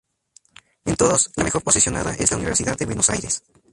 En todos, la mejor posicionada es la Universidad de Buenos Aires.